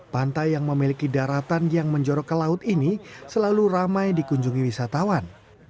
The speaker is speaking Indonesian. pantai yang memiliki daratan yang menjorok ke laut ini selalu ramai dikunjungi wisatawan